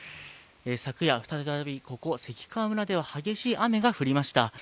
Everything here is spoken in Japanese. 昨夜、再びここ関川村では激しい雨が降りました。